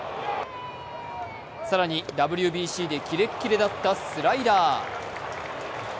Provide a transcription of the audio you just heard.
更にＷＢＣでキレッキレだったスライダー。